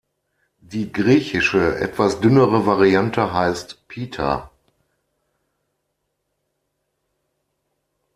Die griechische, etwas dünnere Variante heißt Pita.